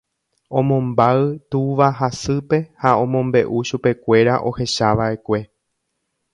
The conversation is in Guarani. Omombáy túva ha sýpe ha omombe'u chupekuéra ohechava'ekue.